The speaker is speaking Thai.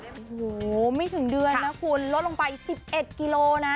โอ้โหไม่ถึงเดือนนะคุณลดลงไป๑๑กิโลนะ